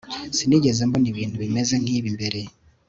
sinigeze mbona ibintu bimeze nkibi mbere